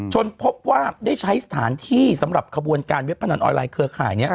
พบว่าได้ใช้สถานที่สำหรับขบวนการเว็บพนันออนไลเครือข่ายนี้